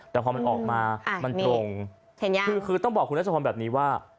แต่พอมันออกมาอ่ามันตรงเห็นยังคือคือต้องบอกคุณนักสมควรแบบนี้ว่า